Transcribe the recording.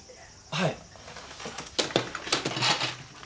はい。